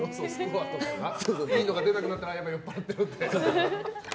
いいのが出なくなったらやばい、酔っ払ってるって？